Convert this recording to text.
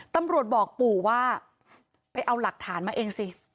ตำรวจบอกปู่ว่าไปเอาหลักฐานมาเองสิ